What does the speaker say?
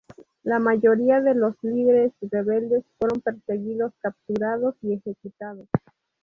La mayoría de los líderes rebeldes fueron perseguidos, capturados y ejecutados.